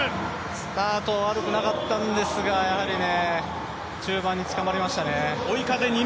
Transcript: スタート悪くなかったんですが、やはり中盤捕まりましたね。